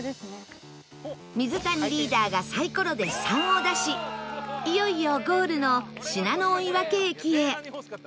水谷リーダーがサイコロで「３」を出しいよいよゴールの信濃追分駅へ